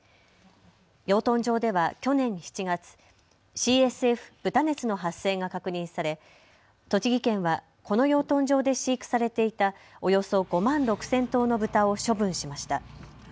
養豚場では去年７月、ＣＳＦ、豚熱の発生が確認され栃木県はこの養豚場で飼育されていたおよそ５万６０００頭のブタを処分しました。